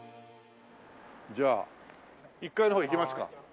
じゃあ１階の方行きますか。